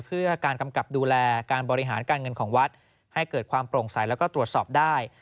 เพื่อการกำกับดูแลการบริหารการเงินของวัดให้เกิดความโปร่งใสแล้วก็ตรวจสอบได้